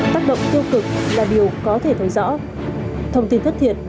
tác động tiêu cực là điều có thể thấy rõ thông tin thất thiệt